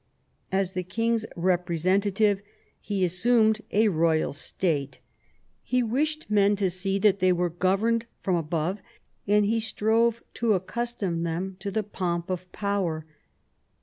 As the king's repre sentative he assumed a royal state ; he wished men to see that they were governed from above, and he strove to accustom them to the pomp of power.